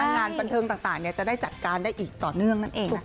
งานบันเทิงต่างจะได้จัดการได้อีกต่อเนื่องนั่นเองนะคะ